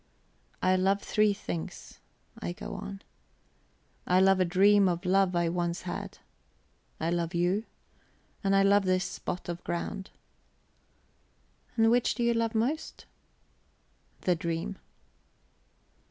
"I love three things," I go on. "I love a dream of love I once had; I love you; and I love this spot of ground." "And which do you love most?" "The dream."